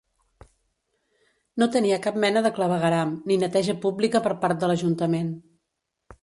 No tenia cap mena de clavegueram, ni neteja pública per part de l'ajuntament.